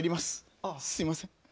すいません。